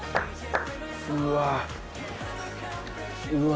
うわ！